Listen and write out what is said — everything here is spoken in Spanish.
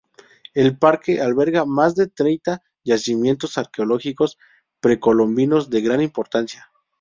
El parque alberga más de treinta yacimientos arqueológicos precolombinos de gran importancia.